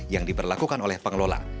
yang diperlakukan oleh pengelola